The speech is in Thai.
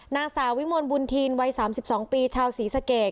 นางสาววิมลบุญทีนวัย๓๒ปีชาวศรีสะเกด